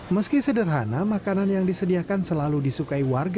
meski sederhana makanan yang disediakan selalu disukai warga